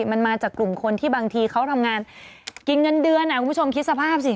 มันมาจากกลุ่มคนที่บางทีเขาทำงานกินเงินเดือนคุณผู้ชมคิดสภาพสิ